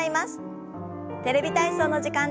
「テレビ体操」の時間です。